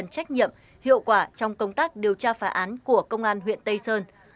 tinh thần trách nhiệm hiệu quả trong công tác điều tra phá án của công an huyện tây sơn